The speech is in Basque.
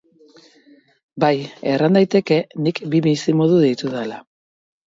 Bai, erran daiteke nik bi bizimodu ditudala.